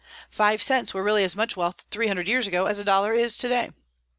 Five cents were really as much wealth three hundred years ago as a dollar is to day.